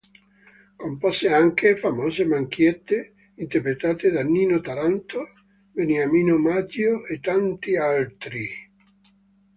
Compose anche famose macchiette interpretate da Nino Taranto, Beniamino Maggio e tanti altri.